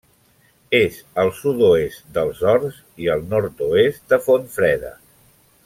És al sud-oest dels Horts i al nord-oest de Fontfreda.